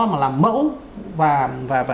mà làm mẫu và